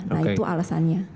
nah itu alasannya